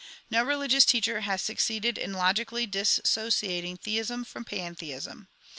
No religious teacher has succeeded in logically dissociating theism from pantheism.